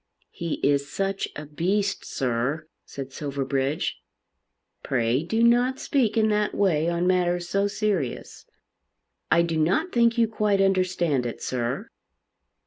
"He is such a beast, sir," said Silverbridge. "Pray do not speak in that way on matters so serious." "I do not think you quite understand it, sir."